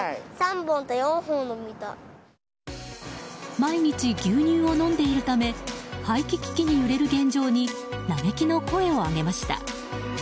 毎日、牛乳を飲んでいるため廃棄危機に揺れる現状に嘆きの声を上げました。